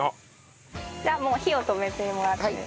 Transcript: じゃあもう火を止めてもらって。